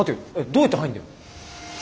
どうやって入んだよ。